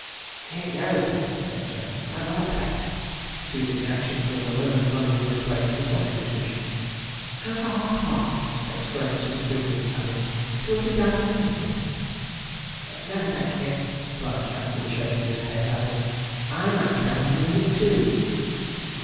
'Here goes, then,' said Jack, 'for another plate,' suiting the action to the word, and running with his plate to the sausage dish. 'Have a hot one,' exclaimed Mrs. Springwheat, adding, 'it will be done in a minute.' 'No, thank ye,' replied Jack, with a shake of the head, adding, 'I might be done in a minute too.'